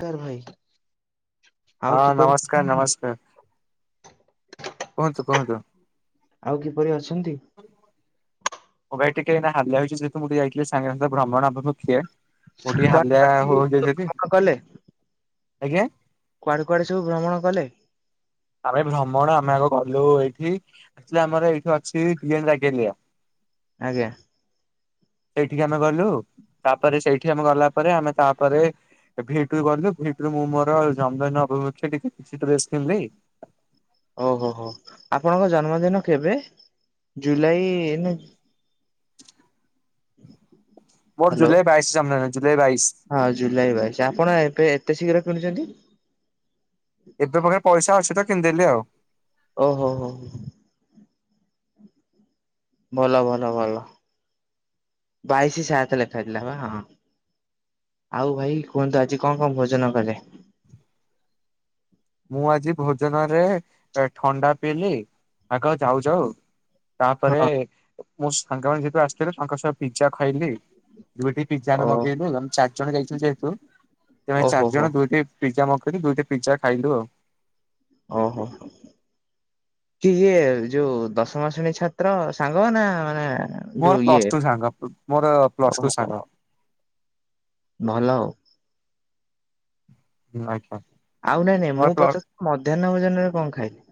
ତାର ଭାଇ ଆଉ ହଁ ନମସ୍କାର କିପରି ନମସ୍କାର କୁହନ୍ତୁ କୁହନ୍ତୁ। ଆଉ କିପରି ଅଛନ୍ତି? ମୁଁ ଭାଇ ଟିକେ ଏଇନା ହାଲିଆ ହେଇଛି ଯେହେତୁ ମୁଁ ଟିକେ ଯାଇଥିଲି ସାଙ୍ଗ ସାଥିରେ ଭ୍ରମଣ ମୁଁ ଟିକେ କୁଆଡେ ହାଲିଆ କୁଆଡେ ସବୁ ହୋଇଛି ସେଠି ଭ୍ରମଣ କଲେ? ଆଜ୍ଞା। କୁଆଡେ କୁଆଡେ ସବୁ ଭ୍ରମଣ କଲେ? ଆମେ ଭ୍ରମଣ ଆମେ ଆଗ ଗଲୁ ଏଇଠି ଥିଲେ ଆମର ଏଇଠି ଅଛି ଡି ଏନ୍ ରେଗାଲିଆ। ଆଜ୍ଞା। ସେଇଠିକି ଆମେ ଗଲୁ ତାପରେ ସେଇଠି ଆମେ ଗଲା ପରେ ଆମେ ତାପରେ ଏ ଭିଟୁ ଗଲୁ ଭିଟୁ ମୁଁ ମୋର ଜନ୍ମ ଦିନ ଅବସରେ ଟିକେ କିଛି ଡ୍ରେସ କିଣିଲି। ଓହୋ ହୋ ଆପଣଙ୍କ ଜନ୍ମଦିନ କେବେ ଜୁଲାଇ ହୁଁ [inaudible] ମୋର ଜୁଲାଇ ବାଇଶି ଜନ୍ମ ଦିନ ଜୁଲାଇ ବାଇଶି। ହଁ ଜୁଲାଇ ବାଇଶ ଆପଣ ଏବେ ଏତେ ଶୀଘ୍ର କିଣୁଛନ୍ତି? ଏବେ ମୋ ପାଖରେ ପଇସା ଅଛି ତ କିଣିଦେଲି ଆଉ। ଓ ହୋ ହୋ। ଭଲ ଭଲ ଭଲ ବାଇଶି ସାତ ଲେଖାହେଇଥିଲା ପା ହଁ। ଆଉ ଭାଇ କୁହନ୍ତୁ ଆଜି କଣ କଣ ଭୋଜନ କଲେ? ମୁଁ ଆଜି ଭୋଜନରେ ଥଣ୍ଡା ପିଇଲି ଆଗ ଯାଉ ଯାଉ ତାପରେ ହଁ ମୋ ସାଙ୍ଗମାନେ ଯେହେତୁ ଆସିଥିଲେ ତାଙ୍କ ସହ ପିଜା ଖାଇଲି। ଦୁଇଟି ଓ ପିଜାରୁ ମଗେଇଲୁ ଆମେ ଚାରି ଜଣ ଯାଇଥିଲୁ ଯେହେତୁ ତେଣୁ ଓହୋ ଚାରି ହୋ ଜଣ ଦୁଇଟି ପିଜା ମଗେଇକି ଦୁଇଟି ପିଜା ଖାଇଲୁ ଆଉ। ଓ ହୋ। କି ଇଏ ଯୋଉ ଦଶମ ଶ୍ରେଣୀ ଛାତ୍ର ସାଙ୍ଗ ନା ମାନେ ଯୋଉ ମୋର ଇଏ ପ୍ଲସ ଟୁ ସାଙ୍ଗ ମୋର ପ୍ଲସ ଟୁ ଓହୋ ସାଙ୍ଗ। ଭଲ ଆଉ। ଆଜ୍ଞା। ଆଉ ନାଇଁ ନାଇଁ ମୋର ମୁଁ ପ୍ଲ ପଚାରିଥିଲି ମଧ୍ୟାହ୍ନ ଭୋଜନରେ କଣ ଖାଇଲେ?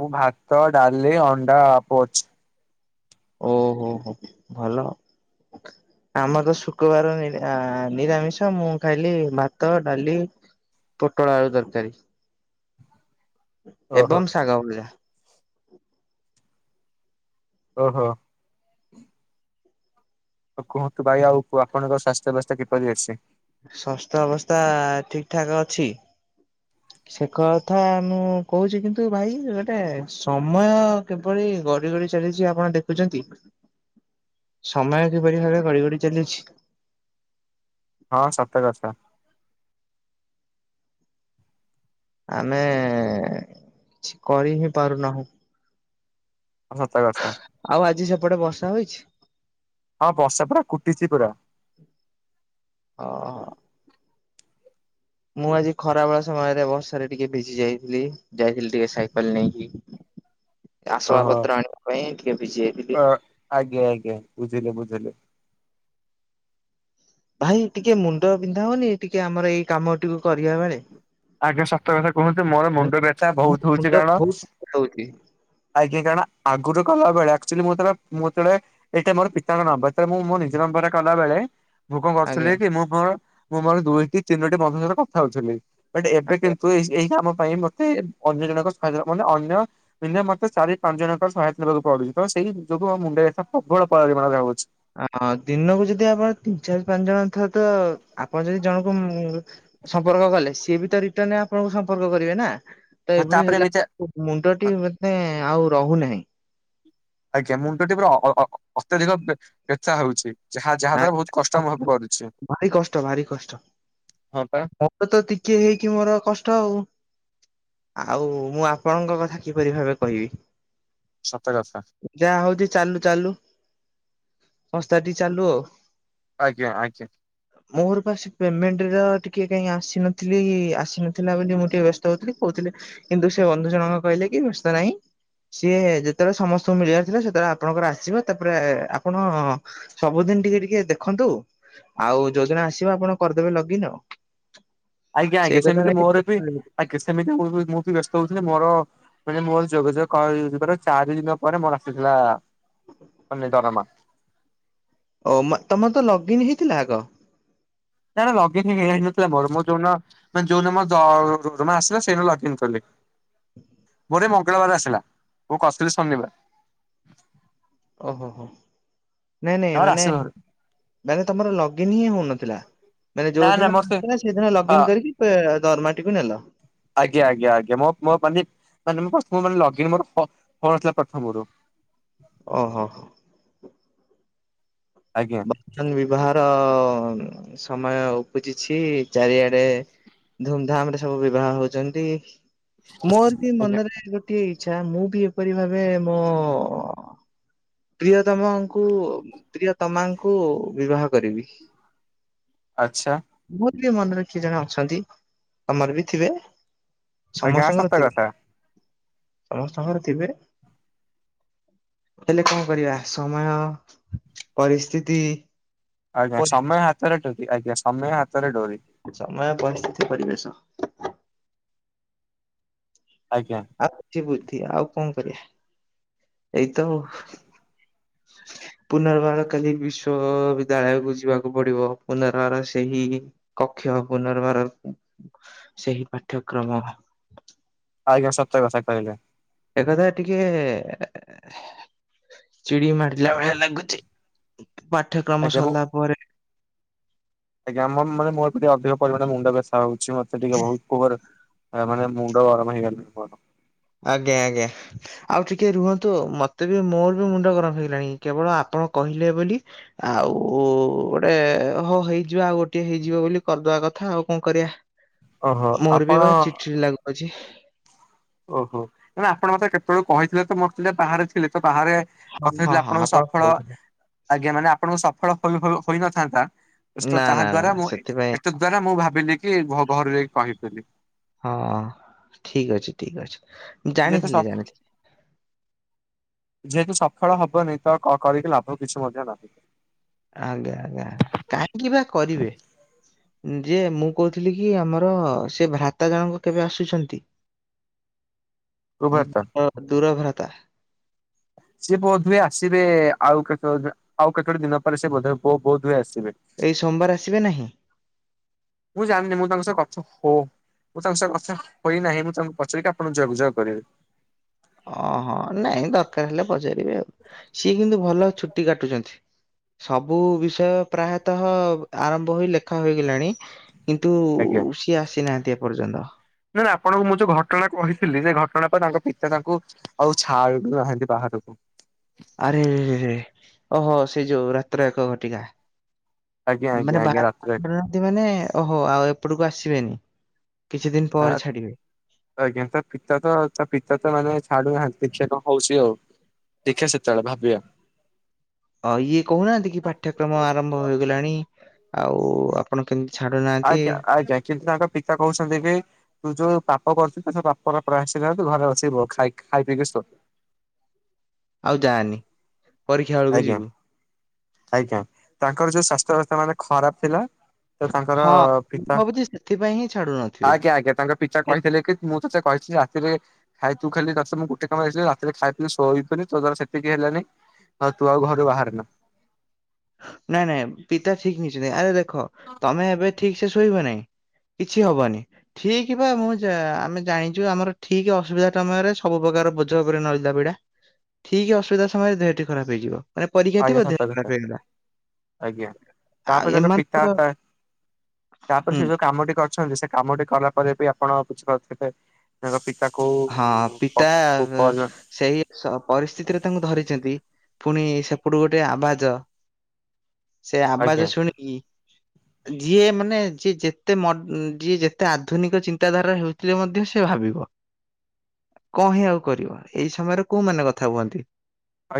ମୁଁ ଭାତ ଡାଲି ଅଣ୍ଡା ପୋଚ୍। ଓ ହୋ ହୋ ଭଲ। ହ [inaudible] ଆମର ତ ଶୁକ୍ରବାର ଆ ନିରାମିଷ ମୁଁ ଖାଇଲି ଭାତ ଡାଲି ପୋଟଳ ଆଳୁ ତରକାରୀ। ଓହୋ ଏବଂ ଶାଗ ଭଜା। ଓହୋ। ଆଉ କୁହନ୍ତୁ ଭାଇ ଆଉ ଆପଣଙ୍କର ସ୍ୱାସ୍ଥ୍ୟ ବ୍ୟବସ୍ଥା କିପରି ଅଛି? ସ୍ୱାସ୍ଥ୍ୟ ଅବସ୍ଥା ଠିକ ଠାକ୍ ଅଛି। ସେ କଥା ମୁଁ କହୁଛି କିନ୍ତୁ ଭାଇ ଗୋଟେ ସମୟ କିଭଳି ଗଡି ଗଡି ଚାଲିଛି ଆପଣ ଦେଖୁଛନ୍ତି? [unintelligible] ସମୟ କିପରି ଭାବେ ଗଡି ଗଡି ଚାଲିଛି। ହଁ ସତକଥା। ଆମେ କିଛି କରି ହିଁ ପାରୁନାହୁଁ। ହ ସତକଥା। ଆଉ ଆଜି ସେପଟେ ବର୍ଷା ହୋଇଛି? ହଁ ବର୍ଷା ପୁରା କୁଟିଛି ପୁରା। ହଁ। ମୁଁ ଆଜି ଖରା ବ ସମୟରେ ବର୍ଷାରେ ଟିକେ ଭିଜି ଯାଇଥିଲି ଯାଇଥିଲି ଟିକେ ସାଇକେଲ ନେଇକି। ବ ଆସବା ପତ୍ର ଆଣିବା ପାଇଁ ଟିକେ ଭିଜି ଯାଇଥିଲି। ଅ ଆଜ୍ଞା ଆଜ୍ଞା ବୁଝିଲେ ବୁଝିଲେ। ଭାଇ ଟିକେ ମୁଣ୍ଡ ପିନ୍ଧା ହଉନି ଟିକେ ଆମର ଏଇ କାମ କୁ କରିବା ବେଳେ? ଆଗ ସତ କଥା କୁହନ୍ତୁ ମୋର ମୁଣ୍ଡ ବ୍ୟଥାା ମୋ ବହୁତ ହଉଛି ମୁଣ୍ଡ କାରଣ ବହୁତ ବିନ୍ଧା ହଉଛି ଆଜ୍ଞା କାରଣ ଆଗରୁ ଗଲାବେେଳେ ଆକ୍ଚୁଆଲି ମୁଁ ତଳେ ମୁଁ ତଳେ ଏଇଟା ମୋର ପିତାଙ୍କ ନମ୍ବର୍। ଯେତେବେଳେ ମୁଁ ମୋ ନିଜ ନମ୍ବରେ କଲାବେେଳେ ମୁୁ କଣ ଆଜ୍ଞା କରୁଥିଲି କି ମୁଁ ମୋର ମୁଁ ମୋର ଦୁଇଟି ତିନୋଟି ମଧ ସହିତ କଥା ହଉଥିଲି। [unintelligible] ଏବେ ଆଜ୍ଞା। କିନ୍ତୁ ଏ ଏଇ କାମ ପାଇଁ ମତେ ଅନ୍ୟ ଜଣଙ୍କ ସହା ମାନେ ଅନ୍ୟ ପନ୍ଧା ମତେ ଚାରି ପାଞ୍ଚ ଜଣଙ୍କର ସହାୟତା ନେବାକୁ ପଡୁଛି। ତ ସେଇ ଯୋଗୁ ଆ ମୁଣ୍ଡରେ ଏ ପ୍ରବଳ ପରିମାଣରେ ରଉଛି। ଆ ଦିନକୁ ଯଦି ଆପଣ ତିନି ଚାରି ପାଞ୍ଚ ଜଣ ଥାଏ ତ ଆପଣ ଯଦି ଜଣଙ୍କୁ ସମ୍ପର୍କ କଲେ ସିଏ ବି ତ ରିଟର୍ଣ ଆପଣଙ୍କୁ ସମ୍ପର୍କ କରିବେ ନା। ତ ହଁ ଏଭଳି ତାପରେ ହେଲା ଏମିତି ମୁଣ୍ଡଟି ମତେ ଆଉ ରହୁନାହିଁ। ଆଜ୍ଞା ମୁଣ୍ଡଟି ପୁରା ଅତ୍ୟଧିକ ବ୍ୟଥା ହଉଛି। ଯାହା ଯାହା ଦ୍ଵାରା ବହୁତ କଷ୍ଟ ଅନୁଭବ କରୁଛି। ଭାରି କଷ୍ଟ ଭାରି କଷ୍ଟ। ହଁ ପା ମୋର ତ ଟିକେ ହେଇକି ମୋର କଷ୍ଟ ଆଉ। ଆଉ ମୁଁ ଆପଣଙ୍କ କଥା କିପରି ଭାବେ କହିବି। ସତ କଥା। ଯାହା ହଉଛି ଚାଲୁ ଚାଲୁ ସଂସ୍ଥାଟି ଚାଲୁ ଆଉ। ଆଜ୍ଞା ଆଜ୍ଞା। ମୋର ପା ପେମେଣ୍ଟର କିଏ କାଇହିଁ ଆସିନଥିଲି ଆସି ନଥିଲା ବୋଲି ମୁଁ ଟିକେ ବ୍ୟସ୍ତ ହଉଥିଲି କହୁଥିଲି କିନ୍ତୁ ସେ ବନ୍ଧୁ ଜଣଙ୍କ କହିଲେ କି ବ୍ୟସ୍ତ ନାହିଁ। ସିଏ ଯେତେବେଳେ ସମସ୍ତଙ୍କୁ ମିଳିବାର ଥିଲା ସେତେବେଳେ ଆପଣଙ୍କର ଆସିବ ତାପରେ ଆପଣ ସବୁଦିନ ଟିକେ ଟିକେ ଦେଖନ୍ତୁ ଆଉ ଯୋଜନା ଆସିବ ଆପଣ କରିଦେବେ ଲଗିନ୍ ଆଉ। ଆଜ୍ଞା ସେଇ ଆଜ୍ଞା କଥା ସେମିତି ନାଇଁ ମୋର ବି ଆଜ୍ଞା ସେମିତି ମୁ ମୁଁ ବି ବ୍ୟସ୍ତ ହଉଥିଲି ମୋର ମାନେ ମୋର ଯୋଗ ଯୋଗିବାର ଚାରି ଦିନ ପରେ ମୋର ଆସିଥିଲା ମାନେ ଦରମା। ଓ ତମର ତ ଲଗ୍ଇନ୍ ହେଇଥିଲା ଆଗ? ନା ଲଗିନ୍ ହେଇନଥିଲା ମୋର ମୋ ଯୋଉନ ମାନେ ଯୋଉନମ ମୋର ଆସିଲା ସେଇନ ଲଗିନ କଲି। ପରେ ମଙ୍ଗଳବାର ଆସିଲା ମୁଁ କଥିଲି ଶନିବାର। ଓହୋ ହୋ ନାଇଁ ନାଇଁ ତମର ମାନେ ଆସିବ ମାନେ ତମର ଲଗଇନ ହିଁ ହଉନଥିଲା ମାନେ ନା ଯୋଉ ନା ଦିନ ମୋର ସେ ଆସଥିଲା ସେଇଦିନ ଲଗ ହଁ ଇନ କରିକି [unintelligible] ଦରମାଟିକୁୁ ନେଲ। ଆଜ୍ଞା ଆଜ୍ଞା ଆଜ୍ଞା ମ ମୋ ମାନେ ମାନେ ମୋର ଲଗଇନ୍ ମୋର ହୋଉନଥିଲା ଥିଲା ପ୍ରଥମରୁ। ଓହୋ ହୋ। ଆଜ୍ଞା। ବିବାହର ସମୟ ଉପୁଜିଛି ଚାରିଆଡେ। ଧୁମଧାମ ରେ ସବୁ ବିବାହ ହଉଛନ୍ତି ମୋର ବି ଆଜ୍ଞା। ମନରେ ଗୋଟେ ଗୋଟେ ଇଚ୍ଛା ମୁଁ ବି ଏପରି ଭାବେ ମୋ ପ୍ରିୟତମଙ୍କୁ ତମାଙ୍କୁ ବିବାହ କରିବି। ଆଚ୍ଛା। ମୋର ବି ମନରେ କିଏ ଜଣେ ଅଛନ୍ତି, ତମର ବି ଥିବେ? ଆଜ୍ଞା ସମସ୍ତଙ୍କର ସତ ଥିବେ, କଥା ଆଉ ତମର ଥିବେ। ହେଲେ କଣ କରିବା ସମୟ ପରିସ୍ଥିତି ଆଜ୍ଞା ପରିବେଶ ସମୟ ହାତରେ ଡୋରି ଆଜ୍ଞା ସମୟ ହାତରେ ଡୋରି। ସମୟ ପରିସ୍ଥିତି ପରିବେଶ ଆଜ୍ଞା। ଆଉ କିଛି ବୁଦ୍ଧି ଆଉ କଣ କରିବା ଏଇତ ପୁନର୍ବାର କାଲି ବିଶ୍ଵବିଦ୍ୟାଳୟକୁ ଯିବାକୁ ପଡିବ ପୁନର୍ବାର ସେହି କକ୍ଷ ପୁନର୍ବାର ସେହି ପାଠ୍ୟକ୍ରମ। ଆଜ୍ଞା ସତ କଥା କହିଲେ। ଏକ କଥା ଟିକେ ଚିଡି ମାରିଲା ଭଳିଆ ଲାଗୁଛି। ପାଠ୍ୟକ୍ରମ ଆଜ୍ଞା ମୁଁ ସରିଲା ପରେ ବି ଆଜ୍ଞା ମୋର ମାନେ ମୋର ଟିକେ ଅଧିକ ପରିମାଣରେ ମୁଣ୍ଡ ବ୍ୟଥା ହଉଛି ମତେ ଟିକେ ବହୁତ [unintelligible] ଆ ମାନେ ମୁଣ୍ଡ ଗରମ ହେଇଗଲେ ପ ଆଜ୍ଞା ଆଜ୍ଞା। ଆଉ ଟିକେ ରୁହନ୍ତୁ ମତେ ବି ମୋର ବି ମୁଣ୍ଡ ଗରମ ହେଇଗଲାଣି କେବଳ ଆପଣ କହିଲେ ବୋଲି ଆଉ ଗୋଟେ ହଉ ହେଇଯିବ ଆଉ ଗୋଟିଏ ହେଇଯିବ ବୋଲି କରିଦବା କଥା ଆଉ କଣ କରିବା। ଓହୋ ମୋର ବି ଆପଣ ବା ଚିଡ଼ି ଚିଡି ଲାଗୁଅଛି। ଓହୋ! ଆପଣ ମତେ କେତେବେଳୁ କହିଥିଲେ ତ ମୁଁ ଟିକେ ବାହାରେ ଥିଲେ ତ ବାହାରେ ହଁ କଥା ହଁ ହେଇଥିଲା ହଁ ଆପଣଙ୍କୁ ଆପଣ ସଫଳ କହୁଥିଲେ। ଆଜ୍ଞା! ମାନେ ଆପଣଙ୍କୁ ସଫଳ ଖୋଲୁ ଖୋଲୁ ହୋଇନଥାନ୍ତା। ନା [unintelligible] ନା ନା ତାହାଦ୍ଵାରା ମୁଁ ସେଥିପାଇଁ ଏତତ୍ ଦ୍ଵାରା ମୁଁ ଭାବିଲି କି ଘରୁ ଯାଇକି କହିବି ବୋଲି ହଁ, ଠିକ ଅଛି ଠିକ ଅଛି। ଯେତେ ଜାଣିଥିଲି ସ ଜାଣିଥିଲି ଯେହେତୁ ସଫଳ ହବନି ତ କ-କରିକି ଲାଭ କିଛି ମଧ୍ୟ ନାହିଁ। ଆଜ୍ଞା ଆଜ୍ଞା କାହିଁକି ବା କରିବେ ଯେ ମୁଁ କହୁଥିଲି କି ଆମର ସେ ଭ୍ରାତା ଜଣକ କେବେ ଆସୁଛନ୍ତି? ରୁଭ ଅ ଦୂର ଭ୍ରାତା ସିଏ ବୋଧହୁଏ ଆସିବେ ଆଉ କେତ ଆଉ କେତୋଟି ଦିନ ପରେ ସେ ବୋଧ ବୋଧହୁଏ ଆସିବେ। ଏଇ ସୋମବାର ଆସିବେ ନାହିଁ? ମୁଁ ଜାଣିନି ମୁଁ ତାଙ୍କ ସହ କଥା ହୋ ମୁଁ ତାଙ୍କ ସହ କଥା ହୋଇନାହିଁ ମୁଁ ତାଙ୍କୁ ପଚାରିକି ଆପଣ ଯଗଯଗ କରିବି। ହଁ ହଁ ନାଇଁ ଦରକାର ହେଲେ ପଚାରିବେ ଆଉ ସିଏ କିନ୍ତୁ ଭଲ ଛୁଟି କାଟୁଛନ୍ତି। ସବୁ ବିଷୟ ପ୍ରାୟତଃ ଆରମ୍ଭ ହୋଇ ଲେଖା ହୋଇଗଲାଣି କିନ୍ତୁ ଆଜ୍ଞା। ସିଏ ଆସିନାହାନ୍ତି ଏପର୍ଯ୍ୟନ୍ତ। ନା, ନା ଆପଣଙ୍କୁ ମୁଁ ଯୋଉ ଘଟଣା କହିଥିଲି ସେ ଘଟଣା ପାଇଁ ତାଙ୍କ ପିତା ତାଙ୍କୁ ଆଉ ଛା ଡୁ ନାହାନ୍ତି ବାହାରକୁ ଆରେରେ ଓହୋ! ସେଇ ଯୋଉ ରାତ୍ର ଏକ ଘଟିକା। ଆଜ୍ଞା ଆଜ୍ଞା ମାନେ ଆଜ୍ଞା ରାତିରେ ବାହାରନ୍ତି ମାନେ ଓହୋ! ଆଉ ଏପଟକୁ ଆସିବେନି କିଛି ଦିନ ପରେ ଛାଡିବେ। ଆଜ୍ଞା! ତା ପିତା ତ ତା ପିତା ତ ମାନେ ଛାଡୁନାହାନ୍ତି ଦେଖିବା କଣ ହଉଛି ଆଉ? ଦେଖିବା ସେତେବେଳେ ଭାବିବା। ଇଏ କହୁନାହାନ୍ତି କି ପାଠ୍ୟକ୍ରମ ଆରମ୍ଭ ହୋଇଗଲାଣି ଆଉ ଆପଣ କେମିତି ଛାଡୁନାହାନ୍ତି ଆଜ୍ଞା! ଆଜ୍ଞା! କିନ୍ତୁ ତାଙ୍କ ପିତା କହୁଛନ୍ତି କି ତୁ ଯୋଉ ପାପା କରୁଚୁ ପାପ ପ୍ରାୟଶ୍ଚିତ ତୁ ଘରେ ବସି ବ ଖାଇ ଖାଇ ପିଇକି ଶୋ ଆଉ ଯାନି ପରୀକ୍ଷା ବେଳକୁ ଆଜ୍ଞା। ଯିବୁ। ଆଜ୍ଞା! ତାଙ୍କର ଯୋଉ ସ୍ୱାସ୍ଥ୍ୟବସ୍ତା ମାନେ ଖରାପ ଥିଲା। ତ ତାଙ୍କର ହଁ ମୁଁ ପିତା ଭାବୁଛି ସେଥିପାଇଁ ହିଁ ଛାଡୁ ନଥିବେ ଆଜ୍ଞା ଆଜ୍ଞା ତାଙ୍କ ପିତା କହିଥିଲେ କି ମୁଁ ତତେ କହିଥିଲି ରାତିରେ ଖାଇ ତୁ ଖାଲି ତତେ ମୁଁ ବାସ ଗୋଟେ କାମ ଆସିଲି ରାତିରେ ଖାଇ ପିଇ ଶୋଇବିନି ତୋ ଦ୍ଵାରା ସେତିକି ହେଲାନି। ହଁ ତୁ ଆଉ ଘରୁ ବାହାରେ ନା। ନାଇଁ ନାଇଁ ପିତା ଠିକ ନେଇଚନ୍ତି ଆରେ ଦେଖ ତମେ ଏବେ ଠିକସେ ଶୋଇବ ନାଇଁ। କିଛି ହବନି। ଠିକ ପା ମୁଁ ଜା ଆମେ ଜାଣିଚୁ ଆମର ଠିକ ଅସୁବିଧା ସମୟରେ ସବୁ ପ୍ରକାର ପୋ ଝ ଓପରେ ନଳିତା ବିଡା ଠିକ ଅସୁବିଧା ସମୟରେ ଦେହଟି ଖରାପ ହେଇଯିବ ମାନେ ପରୀକ୍ଷା ଆଜ୍ଞା ଥିବ ସତ ଦେହ କଥା ଖରାପ ହେଇଗଲା। ଆଜ୍ଞା ଆଉ ତାପରେ ତାଙ୍କ ପିତା ଏମାନଙ୍କର ମାତା ତାପରେ ହୁଁ ସେ ଯୋଉ କାମଟି କରିଛନ୍ତି ସେ କାମଟି କଲା ପରେ ବି ଆପଣ ବୁଝି ପାରୁଥିବେ ତାଙ୍କ ପିତା କୋଉ ହଁ ପିତା କୋଉ ଏବେ ପରି ସେହି ସ ପରିସ୍ଥିତିରେ ତାଙ୍କୁ ଧରିଚନ୍ତି ଫୁଣି ସେପଟୁ ଗୋଟେ ଆବାଜ ସେ ଆଜ୍ଞା ଆବାଜ ଶୁଣି ଇ [inaudible] ଯିଏ ମାନେ ଯିଏ ଯେତେ ମ ଉଁ ଯିଏ ଯେତେ ଆଧୁନିକ ଚିନ୍ତାଧାରାର ହୋଉଥିଲେ ମଧ୍ୟ ସେ ଭାବିବ। କଁ ହିଁ ଆଉ କରିବ ଏଇ ସମୟରେ କୋଉମାନେ କଥା ହୁଅନ୍ତି?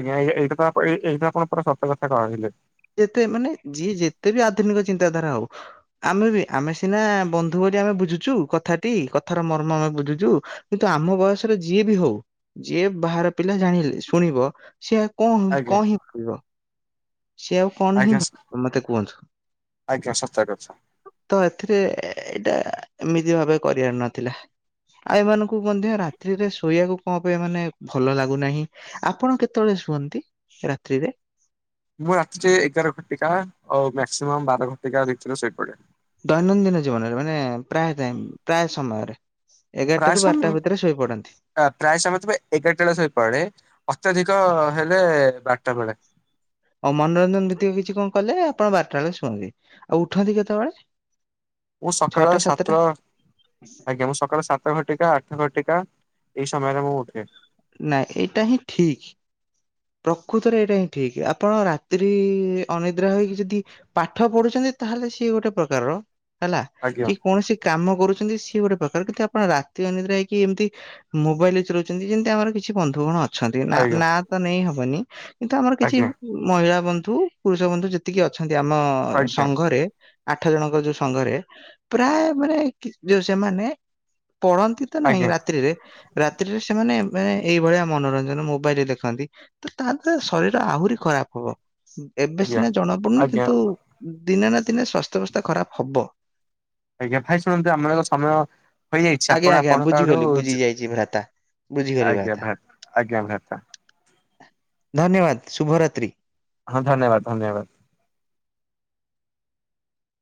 ଆଜ୍ଞା ଇଏ ଏଇଟା ତ ଆପ ଏ ଏଇଟା ଆପଣ ପୁରା ସତ କଥା କହିଲେ। ଯେତେ ମାନେ ଯିଏ ଯେତେ ବି ଆଧୁନିକ ଚିନ୍ତାଧାରା ହୋଉ ଆମେ ବି ଆମେ ସିନା ବନ୍ଧୁ ବୋଲି ଆମେ ବୁଝୁଚୁ କଥାଟି କଥାର ମର୍ମ ଆମେ ବୁଝୁଚୁ କିନ୍ତୁ ଆମ ବୟସର ଯିଏ ବି ହୋଉ ଯିଏ ବାହାର ପିଲା ଜାଣିଲେ ଶୁଣିବ ସିଏ ଆଉ କଣ ହେମତି ଆଜ୍ଞା କଣ ହିଁ କହିବ? ସିଏ ଆଉ କଣ ହିଁ ଆଜ୍ଞା ଭା ମତେ କୁହନ୍ତୁ? ଆଜ୍ଞା ସତ କଥା। ତ ଏଥିରେ ଏଇଟା ଏମିତି ଭାବେ କରିିବାର ନଥିଲା। ଆଉ ଏମାନଙ୍କୁ ମଧ୍ୟ ରାତ୍ରିରେ ଶୋଇବାକୁ କଣ ପାଇଁ ମାନେ ଭଲ ଲାଗୁନାହିଁ। ଆପଣ କେତୋଳେ ଶୁଅନ୍ତି ରାତ୍ରିରେ? ମୁଁ ରାତିରେ ଏଗାର ଘଟିକା ଆଉ ମକ୍ସିମମ୍ ବାର ଘଟିକା ଭିତରେ ଶୋଇପଡେ। ଦୈନନ୍ଦିନ ଜୀବନରେ ମାନେ ପ୍ରାୟ ଟାଇମ୍ ପ୍ରାୟ ସମୟରେ? ପ୍ରାୟ ଏଗାରଟାରୁ ସମ ବାରଟା ଭିତରେ ଶୋଇପଡ଼ନ୍ତି? ଆ ପ୍ରାୟେ ସମୟ ତ ପୁରା ଏଗାରଟା ବେଳେ ଶୋଇପଡେ ଅତ୍ୟଧିକ ହେଲେ ବାରଟା ବେଳେ। ଆଉ ମନୋରଞ୍ଜନ ଭିତ୍ତିକ କିଛି କଣ କଲେ ଆପଣ ବାରଟା ବେଳେ ଶୁଅନ୍ତି ଆଉ ଉଠନ୍ତି କେତେବେଳେ? ମୁଁ ସକାଳ ସାତଟା ଆଜ୍ଞା ମୁଁ ସକାଳ ସାତ ସାତ ଘଟିକା ଆଠ ଘଟିକା ଏଇ ସମୟରେ ମୁଁ ଉଠେ। ନାଇଁ ଏଇଟା ହିଁ ଠିକ। ପ୍ରକୃତରେ ଏଇଟା ହିଁ ଠିକ ଆପଣ ରାତ୍ରି ଅନିଦ୍ରା ହୋଇକି ଯଦି ପାଠ ପଢୁଚନ୍ତି ତାହେଲେ ସିଏ ଗୋଟେ ପ୍ରକାରର ହେଲା ଆଜ୍ଞା କି କୌଣସି କାମ କରୁଚନ୍ତି ସିଏ ଗୋଟେ ପ୍ରକାର କିନ୍ତୁ ଆପଣ ରାତି ଅନିଦ୍ରା ହେଇକି ଏମତି ମୋବାଇଲି ଚଲୋଉଚନ୍ତି ଯେନ୍ ତି ଆମର କିଛି ବନ୍ଧୁଗଣ ଅଛନ୍ତି ନାଆ ଆଜ୍ଞା ନାଆ ତ ନେଇ ହବନି କିନ୍ତୁ ଆମର କିଛି ଆଜ୍ଞା ମହିଳା ବନ୍ଧୁ ପୁରୁଷ ବନ୍ଧୁ ଯେତିକି ଅଛନ୍ତି ଆମ ଆଜ୍ଞା ସଂଘରେ ଆଠ ଜଣଙ୍କ ଯୋଉ ସଂଘରେ ପ୍ରାୟ ମାନେ କି ଯୋଉ ସେମାନେ ପଢନ୍ତି ତ ନାଇଁ ଆଜ୍ଞା ରାତ୍ରିରେ ରାତ୍ରିରେ ସେମାନେ ମାନେ ଏଇଭଳିଆ ମନୋରଞ୍ଜନ ମୋବାଇଲ ଦେଖନ୍ତି ତ ତା ଦ୍ଵାରା ଶରୀର ଆହୁରି ଖରାପ ହବ। ଏବେ ଆଜ୍ଞା ସିନା ଜଣାପଡୁନି ଆଜ୍ଞା କିନ୍ତୁ ଦିନେ ନା ଦିନେ ସ୍ୱାସ୍ଥ୍ୟ ଅବସ୍ଥା ଖରାପ ହବ। ଆଜ୍ଞା ଭାଇ ଶୁଣନ୍ତୁ ଆମର ଏକ ସମୟ ହୋଇଯାଇଛି ଆଜ୍ଞା ଆପଣ ଆଜ୍ଞା ଆପଣଙ୍କ ଆଡୁ ବୁଝିଗଲି ବୁଝି ଯୁ ଯାଇଛି ଭ୍ରାତା ବୁଝିଗଲି ଆଜ୍ଞା ଭ୍ରାତା ଭ୍ରା ଆଜ୍ଞା ଭ୍ରତା। ଧନ୍ୟବାଦ ଶୁଭରାତ୍ରି। ହଁ ଧନ୍ୟବାଦ ଧନ୍ୟବାଦ।